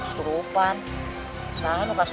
kami semua tidak menyangka gusti